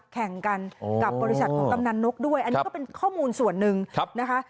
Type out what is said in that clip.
แข่งกันกับบริษัทของกำนันนกด้วยอันนี้ก็เป็นข้อมูลส่วนหนึ่งนะคะ